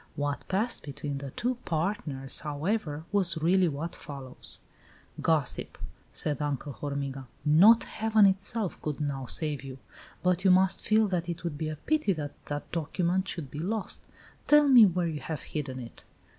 What passed between the two PARTNERS, however, was really what follows: "Gossip!" said Uncle Hormiga, "not Heaven itself could now save you! But you must feel that it would be a pity that that document should be lost. Tell me where you have hidden it."